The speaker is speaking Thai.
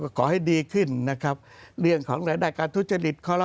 ขอให้ดีขึ้นนะครับเรื่องของรายได้การทุจริต